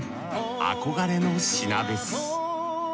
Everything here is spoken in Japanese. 憧れの品です